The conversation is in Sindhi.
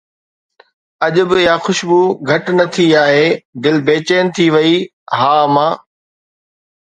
اڄ به اها خوشبو گهٽ نه ٿي آهي، دل بيچين ٿي وئي: ها، امان؟